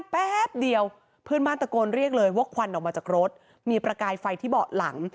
แป๊บเดียวเพื่อนบ้านตะโกนเรียกเลยว่าควันออกมาจากรถมีประกายไฟที่เบาะหลัง